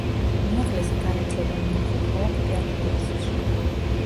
უმაღლესი განათლება მიიღო ქალაქ პიატიგორსკში.